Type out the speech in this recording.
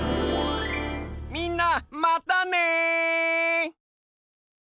みんなまたね！